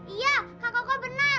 iya kak koko benar